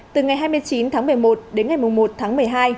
từ ngày hai mươi chín tháng một mươi một đến ngày một tháng một mươi hai